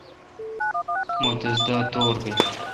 مہ تس دا تور بیل۔